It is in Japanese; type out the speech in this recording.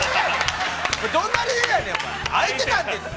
◆どんな理由やねん！